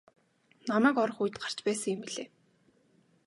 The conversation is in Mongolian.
Намайг орох үед гарч байсан юм билээ.